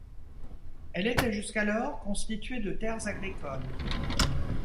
Elle était jusqu'alors constituée de terres agricoles.